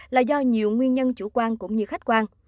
là do nhiều nguyên nhân chủ quan cũng như khách quan